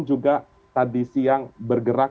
juga tadi siang bergerak